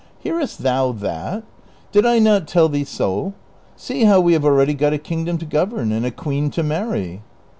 " Hearest thou that ? Did I not tell thee so ? See how we have already got a kingdom to govern and a queen to marry